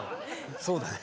そうだね。